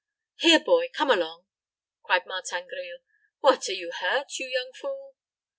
"Here, boy, come along," cried Martin Grille. "What, are you hurt, you young fool?"